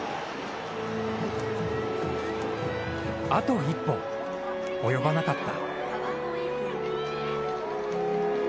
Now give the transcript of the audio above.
あと１歩、及ばなかった。